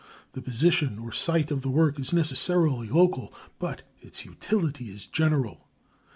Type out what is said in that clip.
The position or sight of the work is necessarily local, but its utility is general.